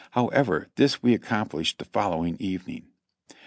However, this we accomplished the following evening.